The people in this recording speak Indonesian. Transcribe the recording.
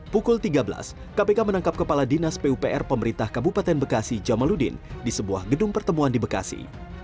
pukul tiga belas kpk menangkap kepala dinas pupr pemerintah kabupaten bekasi jamaludin di sebuah gedung pertemuan di bekasi